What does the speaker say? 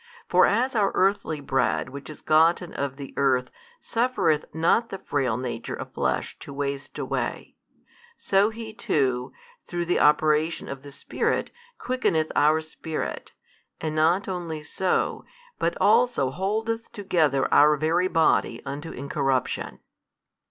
For as our earthly bread which is gotten of the earth suffereth not the frail nature of flesh to waste away: so He too, through the operation of the Spirit quickeneth our spirit, and not only so, but also holdeth together our very body unto incorruption.